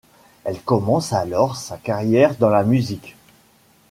Elle commence alors sa carrière dans la musique.